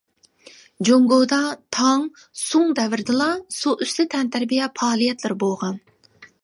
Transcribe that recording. جۇڭگودا تاڭ، سۇڭ دەۋرىدىلا سۇ ئۈستى تەنتەربىيە پائالىيەتلىرى بولغان.